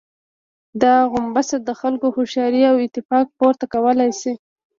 دا غومبسه د خلکو هوښياري او اتفاق، پورته کولای شي.